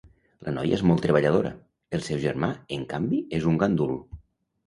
La noia és molt treballadora; el seu germà, en canvi, és un gandul.